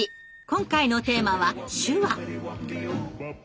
今回のテーマは「手話」！